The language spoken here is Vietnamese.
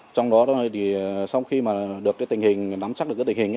trong đó sau khi nắm chắc được tình hình